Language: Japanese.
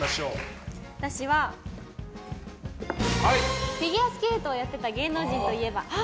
私はフィギュアスケートをやっていた芸能人といえば？